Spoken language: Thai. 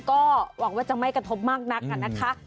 ก็หวังว่าจะไม่กระทบมากนักนะคะ